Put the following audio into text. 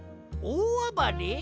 おおあばれ？